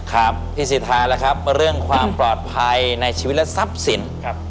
ครับพี่สิทธาล่ะครับเรื่องความปลอดภัยในชีวิตและทรัพย์สินครับ